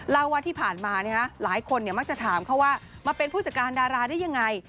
เล่าว่าที่ผ่านมาหลายคนมักจะถามเขาว่ามาเป็นผู้จัดการดาราได้ยังไง